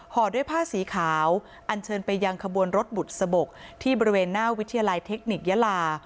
ห่อด้วยผ้าสีขาวอันเชิญไปยังขบวนรถบุตรสะบกที่บริเวณหน้าวิทยาลัยเทคนิคยาลา